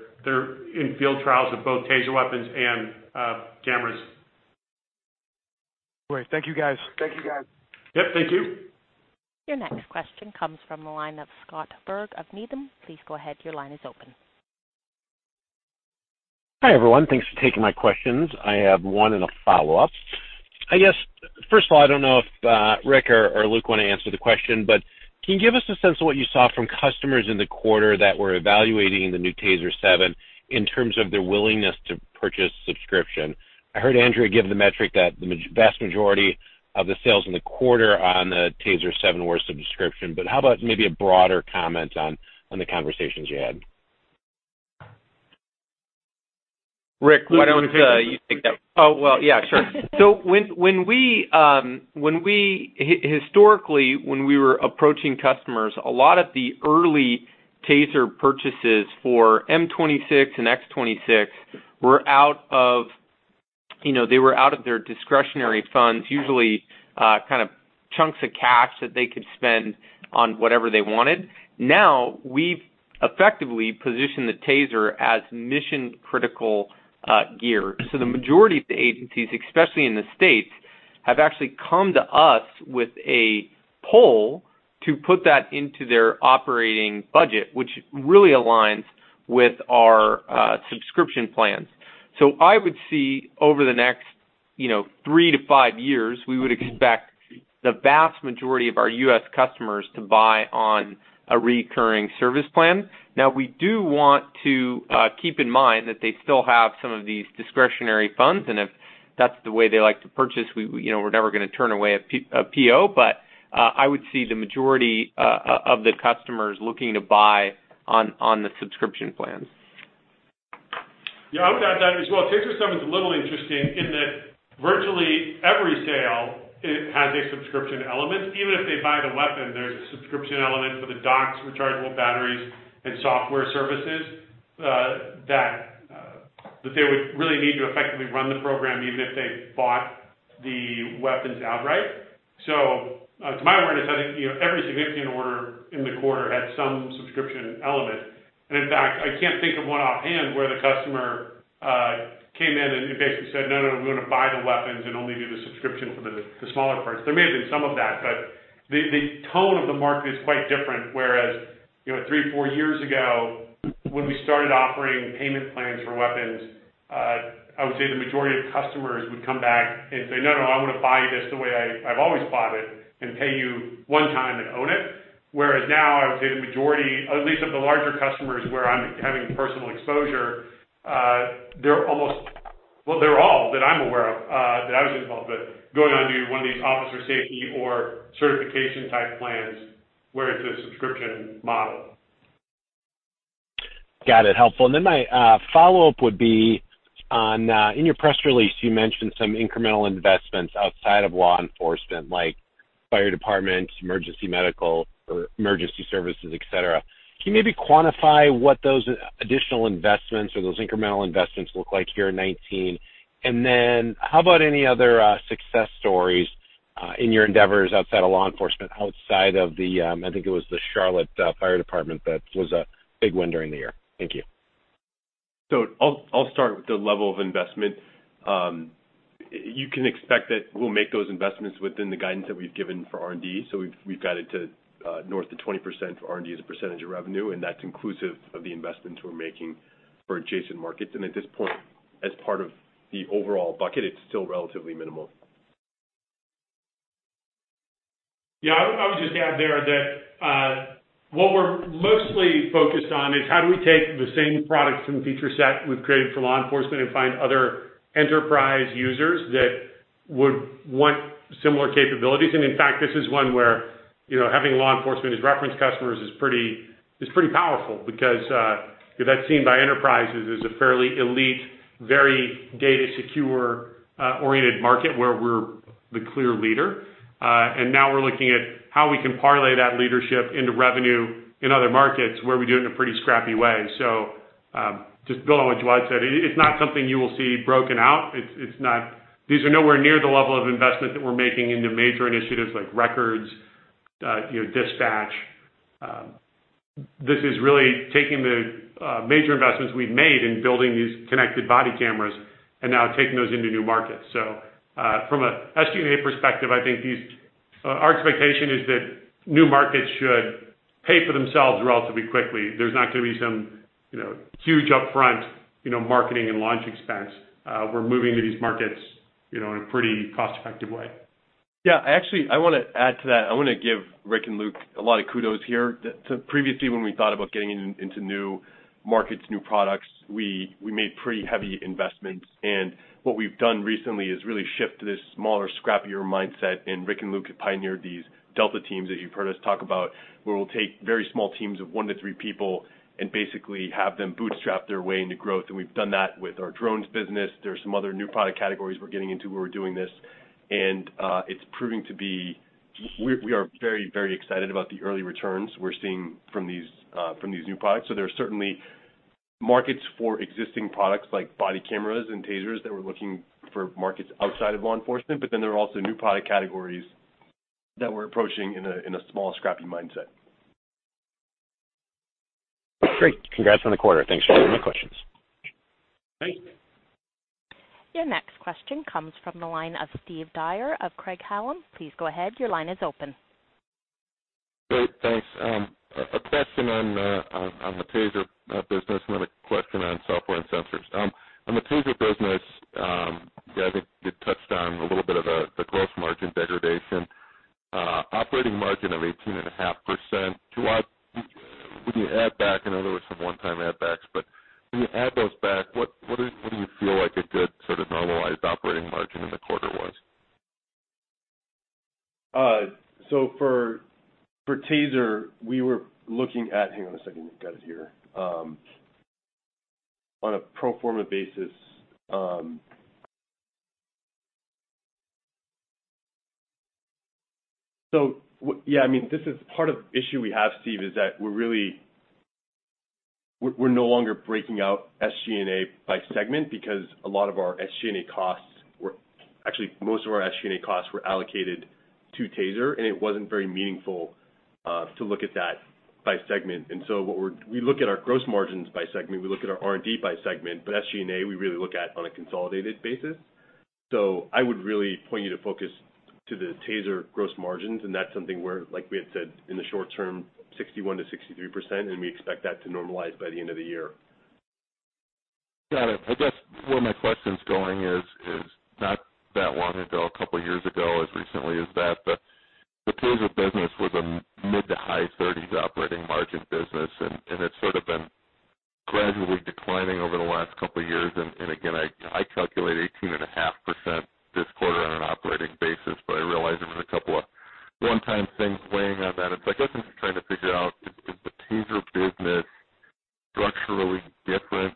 [SPEAKER 4] in field trials of both TASER weapons and cameras.
[SPEAKER 11] Great. Thank you, guys.
[SPEAKER 2] Thank you, guys.
[SPEAKER 4] Yep, thank you.
[SPEAKER 1] Your next question comes from the line of Scott Berg of Needham. Please go ahead, your line is open.
[SPEAKER 12] Hi, everyone. Thanks for taking my questions. I have one and a follow-up. I guess, first of all, I don't know if Rick or Luke want to answer the question, can you give us a sense of what you saw from customers in the quarter that were evaluating the new TASER 7 in terms of their willingness to purchase subscription? I heard Andrea give the metric that the vast majority of the sales in the quarter on the TASER 7 were subscription, how about maybe a broader comment on the conversations you had?
[SPEAKER 2] Rick, why don't you take that? Oh, well, yeah, sure. Historically, when we were approaching customers, a lot of the early TASER purchases for M26 and X26 were out of. They were out of their discretionary funds, usually kind of chunks of cash that they could spend on whatever they wanted. We've effectively positioned the TASER as mission-critical gear. The majority of the agencies, especially in the U.S. States, have actually come to us with a pull to put that into their operating budget, which really aligns with our subscription plans. I would see over the next three to five years, we would expect the vast majority of our U.S. customers to buy on a recurring service plan. We do want to keep in mind that they still have some of these discretionary funds, and if that's the way they like to purchase, we're never going to turn away a PO. I would see the majority of the customers looking to buy on the subscription plans.
[SPEAKER 4] Yeah, I would add that as well. TASER selling is a little interesting in that virtually every sale, it has a subscription element. Even if they buy the weapon, there's a subscription element for the docks, rechargeable batteries, and software services, that they would really need to effectively run the program, even if they bought the weapons outright. To my awareness, I think every significant order in the quarter had some subscription element. In fact, I can't think of one offhand where the customer came in and basically said, "No, no, we want to buy the weapons and only do the subscription for the smaller parts." There may have been some of that, the tone of the market is quite different, whereas three, four years ago, when we started offering payment plans for weapons, I would say the majority of customers would come back and say, "No, no, I want to buy this the way I've always bought it and pay you one time and own it." Now I would say the majority, at least of the larger customers where I'm having personal exposure, they're all that I'm aware of, that I was involved with, going on to one of these Officer Safety or certification-type plans, where it's a subscription model.
[SPEAKER 12] Got it. Helpful. My follow-up would be on, in your press release, you mentioned some incremental investments outside of law enforcement, like fire departments, emergency medical, or emergency services, et cetera. Can you maybe quantify what those additional investments or those incremental investments look like here in 2019? How about any other success stories in your endeavors outside of law enforcement, outside of the, I think it was the Charlotte Fire Department that was a big win during the year. Thank you.
[SPEAKER 5] I'll start with the level of investment. You can expect that we'll make those investments within the guidance that we've given for R&D. We've guided to north of 20% for R&D as a percentage of revenue, and that's inclusive of the investments we're making for adjacent markets. At this point, as part of the overall bucket, it's still relatively minimal.
[SPEAKER 4] I would just add there that what we're mostly focused on is how do we take the same product and feature set we've created for law enforcement and find other enterprise users that would want similar capabilities. In fact, this is one where having law enforcement as reference customers is pretty powerful because that's seen by enterprises as a fairly elite, very data secure-oriented market where we're the clear leader. Now we're looking at how we can parlay that leadership into revenue in other markets, where we do it in a pretty scrappy way. Just building on what Jawad said, it's not something you will see broken out. These are nowhere near the level of investment that we're making into major initiatives like records, dispatch. This is really taking the major investments we've made in building these connected body cameras and now taking those into new markets. From an SG&A perspective, our expectation is that new markets should pay for themselves relatively quickly. There's not going to be some huge upfront marketing and launch expense. We're moving to these markets in a pretty cost-effective way.
[SPEAKER 5] Actually, I want to add to that. I want to give Rick and Luke a lot of kudos here. Previously, when we thought about getting into new markets, new products, we made pretty heavy investments. What we've done recently is really shift to this smaller, scrappier mindset, Rick and Luke have pioneered these delta teams that you've heard us talk about, where we'll take very small teams of one to three people and basically have them bootstrap their way into growth. We've done that with our drones business. There are some other new product categories we're getting into where we're doing this. We are very excited about the early returns we're seeing from these new products. There are certainly markets for existing products, like body cameras and TASERs, that we're looking for markets outside of law enforcement, there are also new product categories that we're approaching in a small, scrappy mindset.
[SPEAKER 12] Great. Congrats on the quarter. Thanks for taking my questions.
[SPEAKER 4] Thanks.
[SPEAKER 1] Your next question comes from the line of Steve Dyer of Craig-Hallum. Please go ahead. Your line is open.
[SPEAKER 13] Great. Thanks. A question on the TASER business, another question on software and sensors. On the TASER business, I think you touched on a little bit of the gross margin degradation. Operating margin of 18.5%. Jawad, when you add back, I know there were some one-time add-backs, when you add those back, what do you feel like a good sort of normalized operating margin in the quarter was?
[SPEAKER 5] For TASER, we were looking at. Hang on a second. Got it here. On a pro forma basis. Part of the issue we have, Steve, is that we're no longer breaking out SG&A by segment because a lot of our SG&A costs were actually most of our SG&A costs were allocated to TASER, and it wasn't very meaningful to look at that by segment. We look at our gross margins by segment, we look at our R&D by segment, but SG&A, we really look at on a consolidated basis. I would really point you to focus to the TASER gross margins, and that's something where, like we had said, in the short term, 61%-63%, and we expect that to normalize by the end of the year.
[SPEAKER 13] Got it. I guess where my question's going is, not that long ago, a couple of years ago, as recently as that, the TASER business was a mid-to-high 30s operating margin business, and it's sort of been gradually declining over the last couple of years. Again, I calculate 18.5% this quarter on an operating basis, but I realize there was a couple of one-time things weighing on that. I guess I'm just trying to figure out, is the TASER business structurally different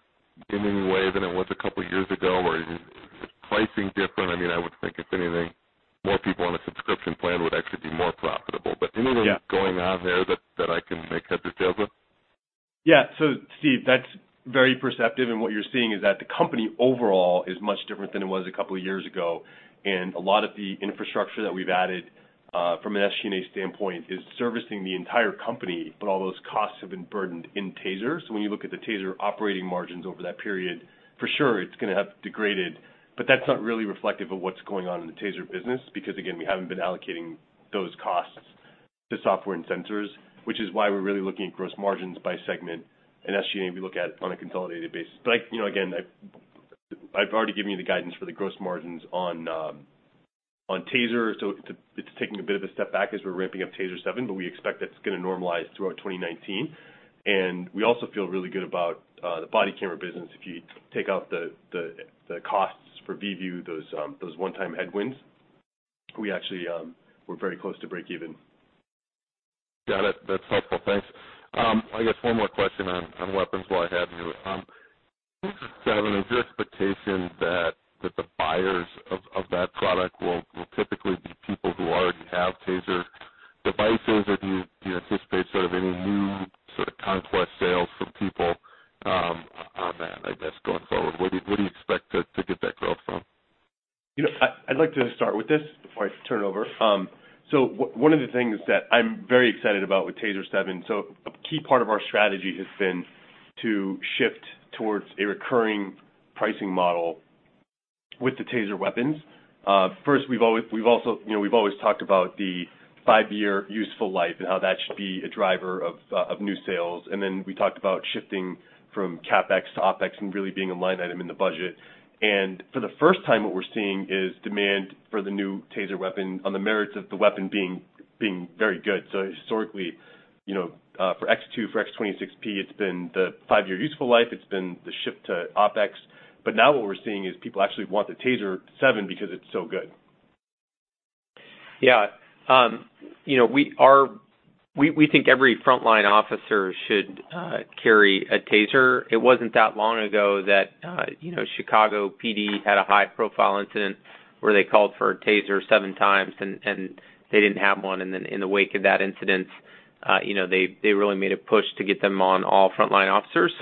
[SPEAKER 13] in any way than it was a couple of years ago? Or is its pricing different? I would think, if anything, more people on a subscription plan would actually be more profitable. Anything-
[SPEAKER 5] Yeah
[SPEAKER 13] going on there that I can make heads or tails with?
[SPEAKER 5] Yeah. Steve, that's very perceptive, and what you're seeing is that the company overall is much different than it was a couple of years ago. A lot of the infrastructure that we've added, from an SG&A standpoint, is servicing the entire company, but all those costs have been burdened in TASER. When you look at the TASER operating margins over that period, for sure, it's going to have degraded, but that's not really reflective of what's going on in the TASER business, because again, we haven't been allocating those costs to software and sensors, which is why we're really looking at gross margins by segment and SG&A, we look at on a consolidated basis. Again, I've already given you the guidance for the gross margins on TASER. It's taking a bit of a step back as we're ramping up TASER 7, but we expect that's going to normalize throughout 2019. We also feel really good about the body camera business. If you take out the costs for VIEVU, those one-time headwinds, we actually were very close to break-even.
[SPEAKER 13] Got it. That's helpful. Thanks. I guess one more question on weapons while I have you. TASER 7, is your expectation that the buyers of that product will typically be people who already have TASER devices, or do you anticipate any new conquest sales from people on that, I guess, going forward? Where do you expect to get that growth from?
[SPEAKER 5] I'd like to start with this before I turn it over. One of the things that I'm very excited about with TASER 7, so a key part of our strategy has been to shift towards a recurring pricing model with the TASER weapons. First, we've always talked about the five-year useful life and how that should be a driver of new sales. Then we talked about shifting from CapEx to OpEx and really being a line item in the budget. For the first time, what we're seeing is demand for the new TASER weapon on the merits of the weapon being very good. Historically, for TASER X2, for TASER X26P, it's been the five-year useful life, it's been the shift to OpEx. Now what we're seeing is people actually want the TASER 7 because it's so good.
[SPEAKER 2] Yeah. We think every frontline officer should carry a TASER. It wasn't that long ago that Chicago PD had a high-profile incident where they called for a TASER seven times, and they didn't have one, then in the wake of that incident, they really made a push to get them on all frontline officers.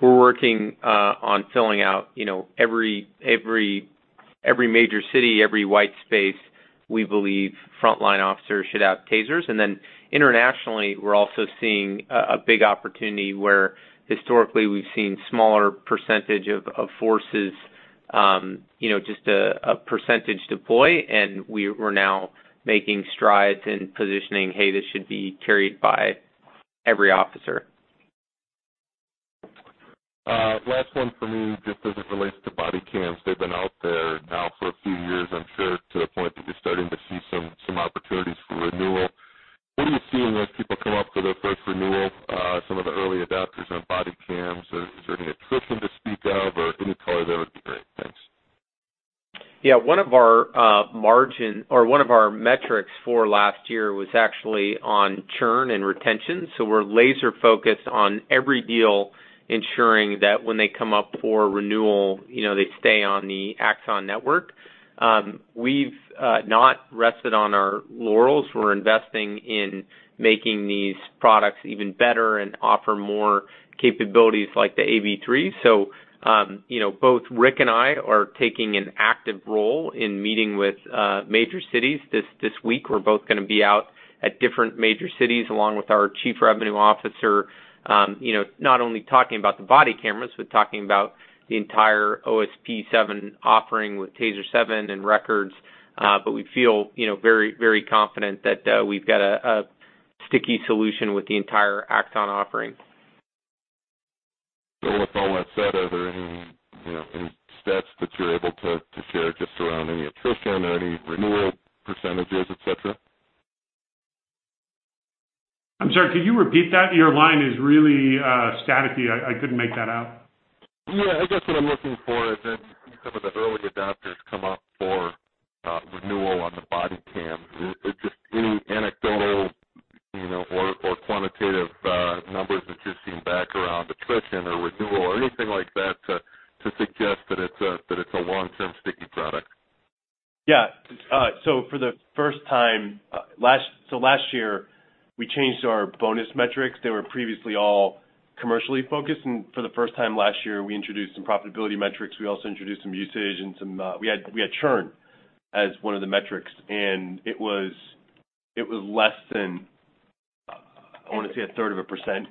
[SPEAKER 2] We're working on filling out every major city, every white space. We believe frontline officers should have TASERs. Internationally, we're also seeing a big opportunity where historically we've seen smaller percentage of forces, just a percentage deploy, and we're now making strides in positioning, hey, this should be carried by every officer.
[SPEAKER 13] Last one from me, just as it relates to body cams. They've been out there now for a few years, I'm sure to the point that you're starting to see some opportunities for renewal. What are you seeing as people come up for their first renewal, some of the early adopters on body cams? Is there any attrition to speak of or any color there would be great. Thanks.
[SPEAKER 2] Yeah. One of our margin, or one of our metrics for last year was actually on churn and retention. We're laser-focused on every deal, ensuring that when they come up for renewal, they stay on the Axon network. We've not rested on our laurels. We're investing in making these products even better and offer more capabilities like the AB3. Both Rick and I are taking an active role in meeting with major cities. This week, we're both going to be out at different major cities along with our chief revenue officer, not only talking about the body cameras, but talking about the entire OSP7 offering with TASER 7 and Records. We feel very confident that we've got a sticky solution with the entire Axon offering.
[SPEAKER 13] With all that said, are there any stats that you're able to share just around any attrition or any renewal percentages, et cetera?
[SPEAKER 5] I'm sorry, could you repeat that? Your line is really staticky. I couldn't make that out.
[SPEAKER 13] Yeah, I guess what I'm looking for is some of the early adopters come up for renewal on the body cams. Is just any anecdotal or quantitative attrition or renewal or anything like that to suggest that it's a long-term sticky product?
[SPEAKER 5] Yeah. For the first time last year, we changed our bonus metrics. They were previously all commercially focused, and for the first time last year, we introduced some profitability metrics. We also introduced some usage and we had churn as one of the metrics, and it was less than, I want to say, a third of a percent.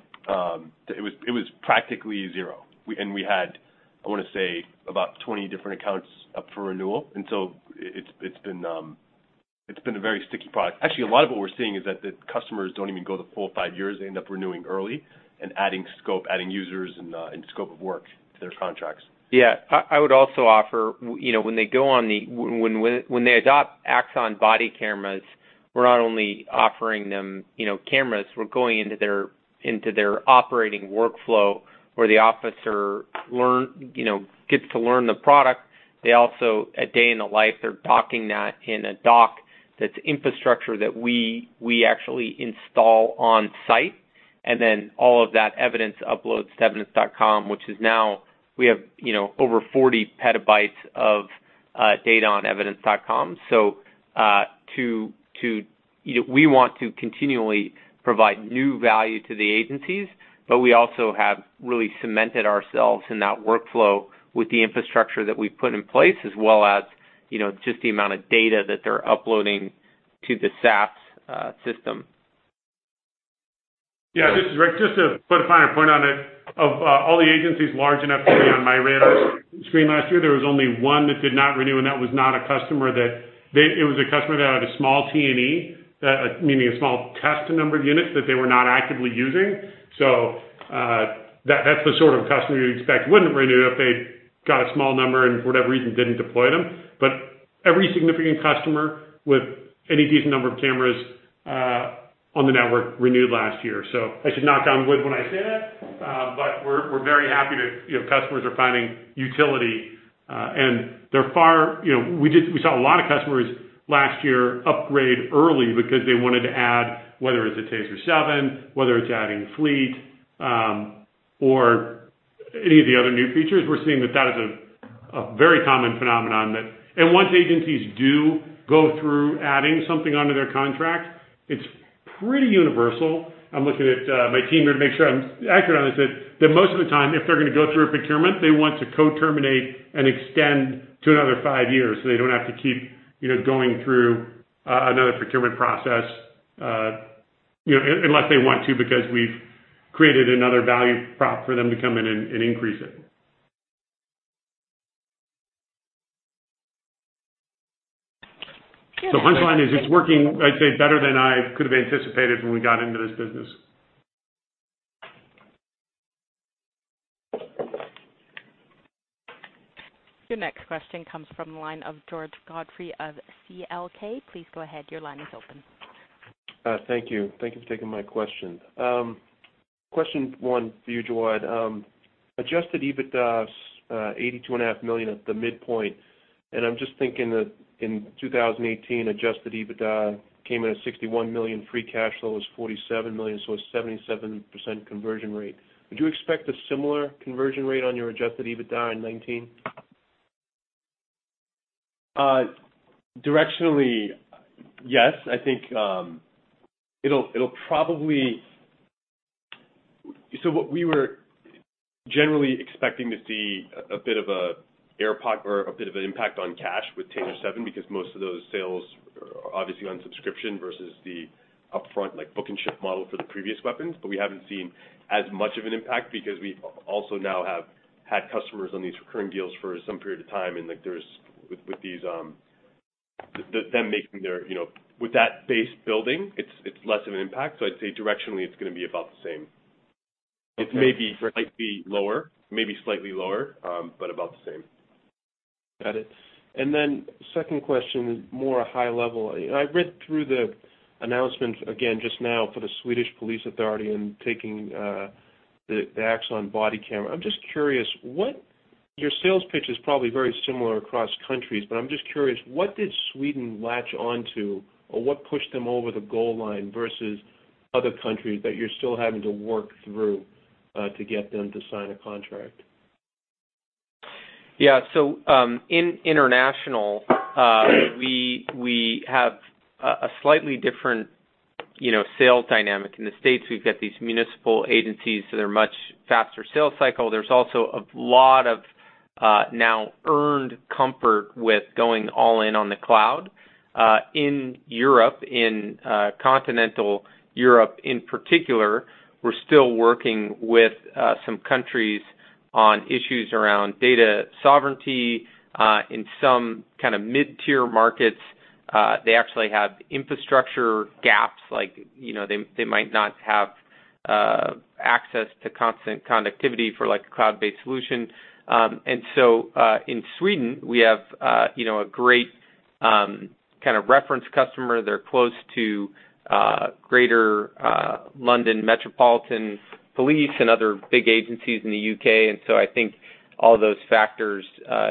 [SPEAKER 5] It was practically zero. We had, I want to say, about 20 different accounts up for renewal. It's been a very sticky product. Actually, a lot of what we're seeing is that the customers don't even go the full five years. They end up renewing early and adding scope, adding users, and scope of work to their contracts.
[SPEAKER 2] Yeah. I would also offer, when they adopt Axon Body cameras, we're not only offering them cameras, we're going into their operating workflow where the officer gets to learn the product. They also, a day in the life, they're docking that in a dock that's infrastructure that we actually install on site. Then all of that evidence uploads to evidence.com, which is now, we have over 40 petabytes of data on evidence.com. We want to continually provide new value to the agencies, but we also have really cemented ourselves in that workflow with the infrastructure that we've put in place as well as just the amount of data that they're uploading to the SaaS system.
[SPEAKER 4] Yeah. This is Rick. Just to put a finer point on it, of all the agencies large enough for me on my radar screen last year, there was only one that did not renew. It was a customer that had a small T&E, meaning a small test number of units that they were not actively using. That's the sort of customer you'd expect wouldn't renew if they got a small number and for whatever reason didn't deploy them. Every significant customer with any decent number of cameras on the network renewed last year. I should knock on wood when I say that. We're very happy that customers are finding utility. We saw a lot of customers last year upgrade early because they wanted to add, whether it's a TASER 7, whether it's adding Fleet, or any of the other new features. We're seeing that that is a very common phenomenon, and once agencies do go through adding something onto their contract, it's pretty universal. I'm looking at my team here to make sure I'm accurate on this, that most of the time, if they're going to go through a procurement, they want to co-terminate and extend to another 5 years, so they don't have to keep going through another procurement process, unless they want to, because we've created another value prop for them to come in and increase it. The punchline is it's working, I'd say, better than I could have anticipated when we got into this business.
[SPEAKER 1] Your next question comes from the line of George Godfrey of CLK. Please go ahead. Your line is open.
[SPEAKER 14] Thank you. Thank you for taking my question. Question one for you, Jawad. Adjusted EBITDA is $82.5 million at the midpoint. I'm just thinking that in 2018, adjusted EBITDA came in at $61 million. Free cash flow was $47 million, a 77% conversion rate. Would you expect a similar conversion rate on your adjusted EBITDA in 2019?
[SPEAKER 5] Directionally, yes. I think it'll probably What we were generally expecting to see a bit of an impact on cash with TASER 7, because most of those sales are obviously on subscription versus the upfront, like book and ship model for the previous weapons. We haven't seen as much of an impact because we also now have had customers on these recurring deals for some period of time. With that base building, it's less of an impact. I'd say directionally, it's going to be about the same.
[SPEAKER 14] Okay.
[SPEAKER 5] It may be slightly lower, but about the same.
[SPEAKER 14] Second question is more high level. I read through the announcement again just now for the Swedish Police Authority and taking the Axon Body camera. Your sales pitch is probably very similar across countries, but I'm just curious, what did Sweden latch on to, or what pushed them over the goal line versus other countries that you're still having to work through, to get them to sign a contract?
[SPEAKER 2] Yeah. In international, we have a slightly different sales dynamic. In the U.S., we've got these municipal agencies, they're much faster sales cycle. There's also a lot of now earned comfort with going all in on the cloud. In Europe, in continental Europe in particular, we're still working with some countries on issues around data sovereignty. In some kind of mid-tier markets, they actually have infrastructure gaps. They might not have access to constant connectivity for a cloud-based solution. In Sweden, we have a great kind of reference customer. They're close to greater Metropolitan Police Service and other big agencies in the U.K. I think all those factors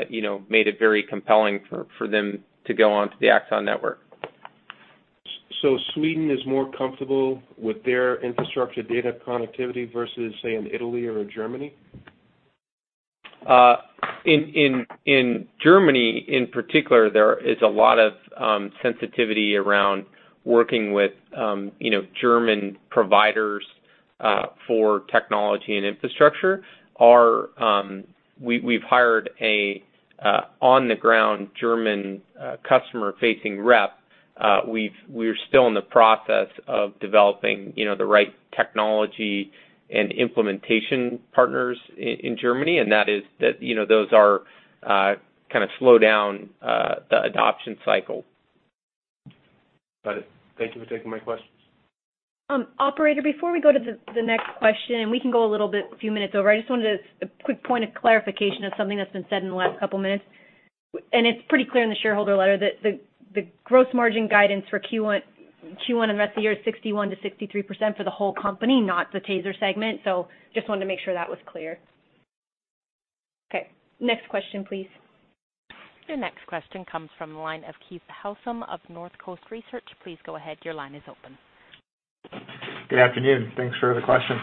[SPEAKER 2] made it very compelling for them to go onto the Axon network.
[SPEAKER 14] Sweden is more comfortable with their infrastructure data connectivity versus, say, in Italy or in Germany?
[SPEAKER 2] In Germany in particular, there is a lot of sensitivity around working with German providers for technology and infrastructure. We've hired a on-the-ground German customer-facing rep. We're still in the process of developing the right technology and implementation partners in Germany, those kind of slow down the adoption cycle.
[SPEAKER 14] Got it. Thank you for taking my questions.
[SPEAKER 3] Operator, before we go to the next question, we can go a few minutes over, I just wanted a quick point of clarification of something that's been said in the last couple minutes, it's pretty clear in the shareholder letter that the gross margin guidance for Q1 and the rest of the year is 61%-63% for the whole company, not the TASER segment. Just wanted to make sure that was clear. Okay, next question, please.
[SPEAKER 1] The next question comes from the line of Keith Housum of Northcoast Research. Please go ahead. Your line is open.
[SPEAKER 15] Good afternoon. Thanks for the question.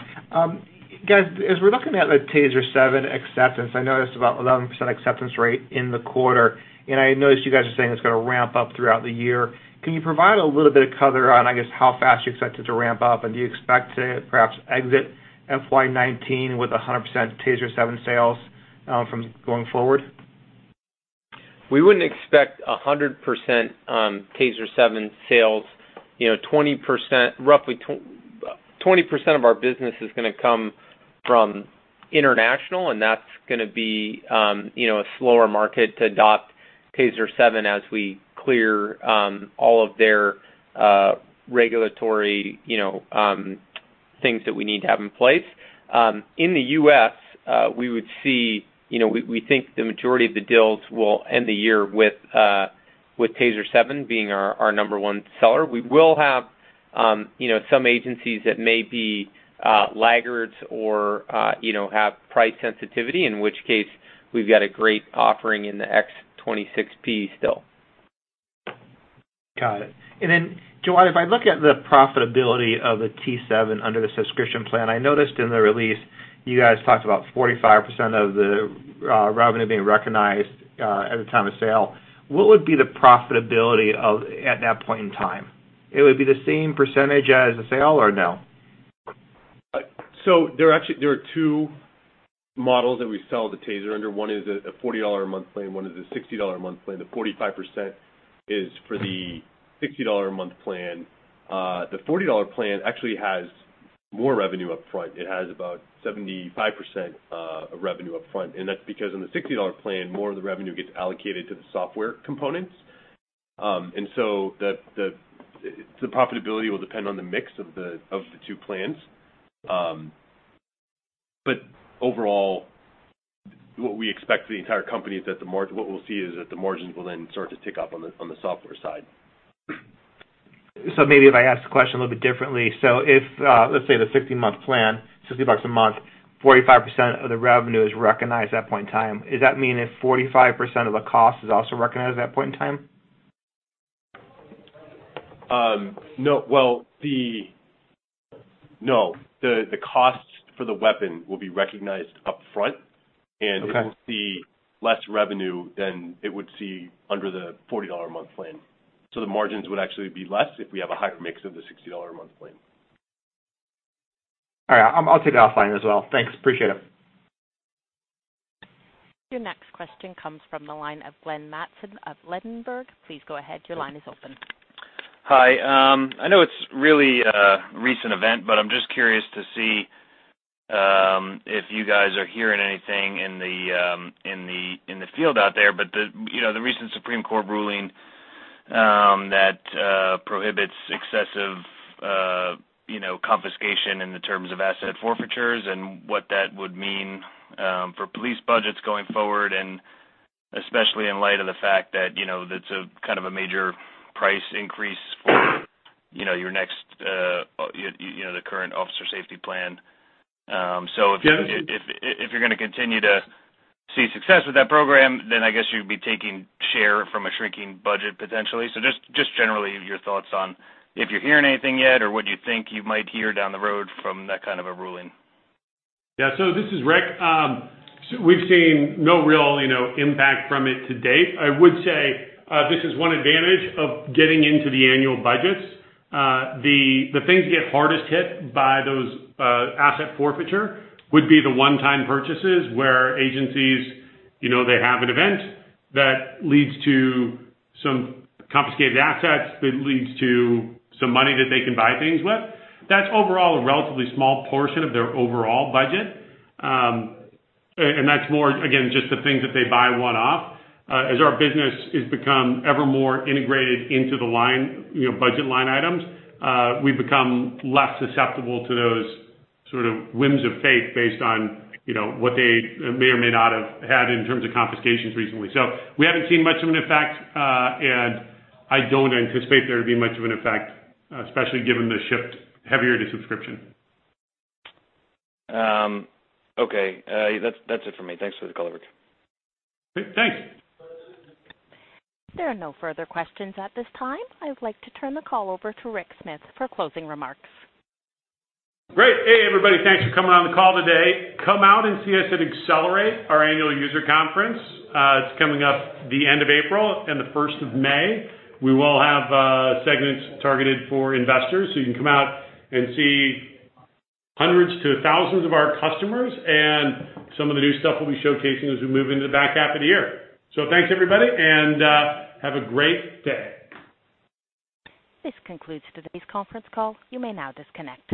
[SPEAKER 15] Guys, as we're looking at the TASER 7 acceptance, I noticed about 11% acceptance rate in the quarter. I noticed you guys are saying it's going to ramp up throughout the year. Can you provide a little bit of color on, I guess, how fast you expect it to ramp up, and do you expect to perhaps exit FY 2019 with 100% TASER 7 sales from going forward?
[SPEAKER 2] We wouldn't expect 100% TASER 7 sales. Roughly 20% of our business is going to come from international. That's going to be a slower market to adopt TASER 7 as we clear all of their regulatory things that we need to have in place. In the U.S., we think the majority of the deals will end the year with TASER 7 being our number one seller. We will have some agencies that may be laggards or have price sensitivity, in which case we've got a great offering in the X26P still.
[SPEAKER 15] Got it. Jawad, if I look at the profitability of the T7 under the subscription plan, I noticed in the release you guys talked about 45% of the revenue being recognized at the time of sale. What would be the profitability at that point in time? It would be the same percentage as the sale or no?
[SPEAKER 5] There are two models that we sell the TASER under. One is a $40 a month plan, one is a $60 a month plan. The 45% is for the $60 a month plan. The $40 plan actually has more revenue up front. It has about 75% of revenue up front. That's because in the $60 plan, more of the revenue gets allocated to the software components. The profitability will depend on the mix of the two plans. Overall, what we expect for the entire company is that what we'll see is that the margins will then start to tick up on the software side.
[SPEAKER 15] Maybe if I ask the question a little bit differently. If, let's say the 60-month plan, $60 a month, 45% of the revenue is recognized at that point in time. Does that mean that 45% of the cost is also recognized at that point in time?
[SPEAKER 5] No. The cost for the weapon will be recognized upfront.
[SPEAKER 15] Okay.
[SPEAKER 5] It will see less revenue than it would see under the $40 a month plan. The margins would actually be less if we have a higher mix of the $60 a month plan.
[SPEAKER 15] All right. I'll take that offline as well. Thanks. Appreciate it.
[SPEAKER 1] Your next question comes from the line of Glen Madsen of Ladenburg. Please go ahead. Your line is open.
[SPEAKER 16] Hi. I know it's really a recent event, but I'm just curious to see if you guys are hearing anything in the field out there. The recent Supreme Court ruling that prohibits excessive confiscation in the terms of asset forfeitures and what that would mean for police budgets going forward, and especially in light of the fact that it's kind of a major price increase for the current Officer Safety Plan. If you're going to continue to see success with that program, I guess you'd be taking share from a shrinking budget, potentially. Just generally your thoughts on if you're hearing anything yet or what you think you might hear down the road from that kind of a ruling.
[SPEAKER 4] Yeah. This is Rick. We've seen no real impact from it to date. I would say this is one advantage of getting into the annual budgets. The things that get hardest hit by those asset forfeiture would be the one-time purchases, where agencies, they have an event that leads to some confiscated assets, that leads to some money that they can buy things with. That's overall a relatively small portion of their overall budget. That's more, again, just the things that they buy one-off. As our business has become ever more integrated into the budget line items, we've become less susceptible to those sort of whims of fate based on what they may or may not have had in terms of confiscations recently. We haven't seen much of an effect, and I don't anticipate there to be much of an effect, especially given the shift heavier to subscription.
[SPEAKER 16] Okay. That's it for me. Thanks for the call.
[SPEAKER 4] Great. Thanks.
[SPEAKER 1] There are no further questions at this time. I would like to turn the call over to Rick Smith for closing remarks.
[SPEAKER 4] Great. Hey, everybody, thanks for coming on the call today. Come out and see us at Accelerate, our annual user conference. It's coming up the end of April and the 1st of May. We will have segments targeted for investors, so you can come out and see hundreds to thousands of our customers and some of the new stuff we'll be showcasing as we move into the back half of the year. Thanks, everybody, and have a great day.
[SPEAKER 1] This concludes today's conference call. You may now disconnect.